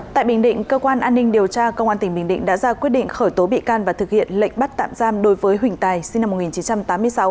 tại bình định cơ quan an ninh điều tra công an tỉnh bình định đã ra quyết định khởi tố bị can và thực hiện lệnh bắt tạm giam đối với huỳnh tài sinh năm một nghìn chín trăm tám mươi sáu